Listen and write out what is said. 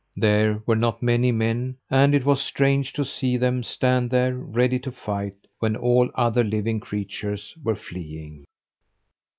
There were not many men, and it was strange to see them stand there, ready to fight, when all other living creatures were fleeing.